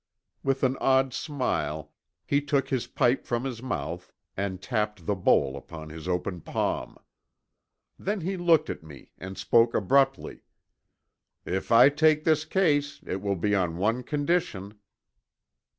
With an odd smile he took his pipe from his mouth and tapped the bowl upon his open palm. Then he looked at me and spoke abruptly, "If I take this case it will be on one condition."